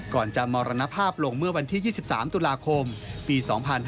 ก่อนจะมรณภาพลงเมื่อวันที่๒๓ตุลาคมปี๒๕๕๙